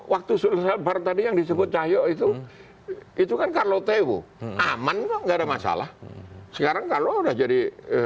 waktu bar tadi yang disebut cahyok itu itu kan carlo teo aman kok enggak ada masalah sekarang carlo udah jadi